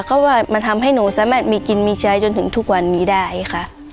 ก็ว่ามันทำให้หนูสามารถมีกินมีใช้จนถึงทุกวันนี้ได้ค่ะ